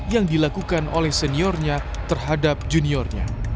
yang dilakukan oleh seniornya terhadap juniornya